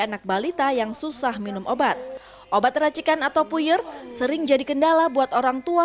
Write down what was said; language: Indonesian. anak balita yang susah minum obat obat racikan atau puyir sering jadi kendala buat orang tua